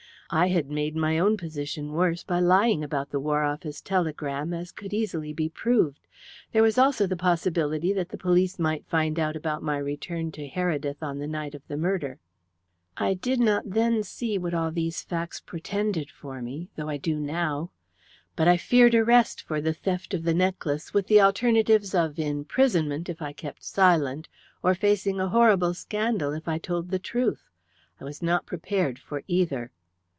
I had made my own position worse by lying about the War Office telegram, as could easily be proved. There was also the possibility that the police might find out about my return to Heredith on the night of the murder. I did not then see what all these facts portended for me, though I do now. But I feared arrest for the theft of the necklace, with the alternatives of imprisonment if I kept silent, or facing a horrible scandal if I told the truth. I was not prepared for either.